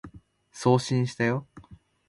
送信したよ